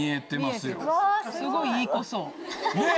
すごいいい子そう。ねぇ！